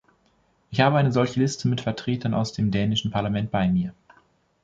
Ich habe eine solche Liste mit Vertretern aus dem dänischen Parlament bei mir.